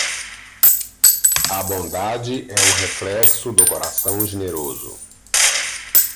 A bondade é um reflexo do coração generoso.